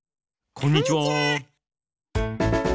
こんにちは！